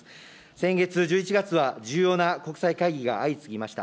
先月・１１月は重要な国際会議が相次ぎました。